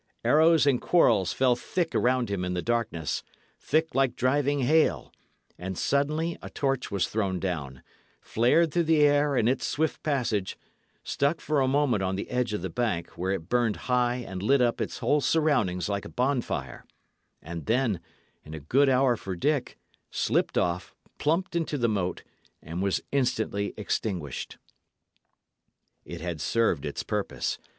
Arrows and quarrels fell thick around him in the darkness, thick like driving hail; and suddenly a torch was thrown down flared through the air in its swift passage stuck for a moment on the edge of the bank, where it burned high and lit up its whole surroundings like a bonfire and then, in a good hour for Dick, slipped off, plumped into the moat, and was instantly extinguished. It had served its purpose.